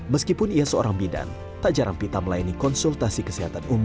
meskipun ia seorang bidan tak jarang pita melayani konsultasi kesehatan